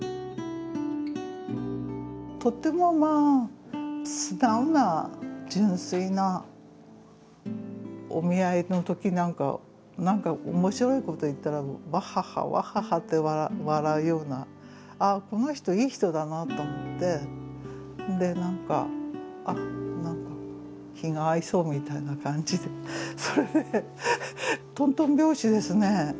とってもまあ素直な純粋なお見合いの時なんか何か面白いこと言ったらわっはっはわっはっはって笑うようなあっこの人いい人だなと思って気が合いそうみたいな感じでそれでとんとん拍子ですね